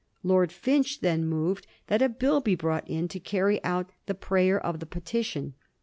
Lord Finch then moved that a bill be brought in to carry out the prayer of the petition.